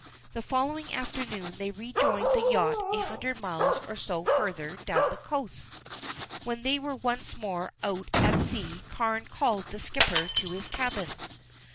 The following afternoon they rejoined the yacht a hundred miles or so further down the coast. When they were once more out at sea Carne called the skipper to his cabin.